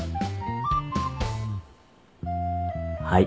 はい。